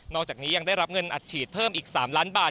อกจากนี้ยังได้รับเงินอัดฉีดเพิ่มอีก๓ล้านบาท